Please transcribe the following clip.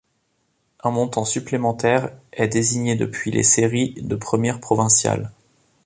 Un montant supplémentaire est désigné depuis les séries de Première Provinciale.